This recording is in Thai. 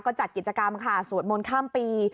ก็จัดกิจกรรมค่ะสวดมนต์ข้ามปี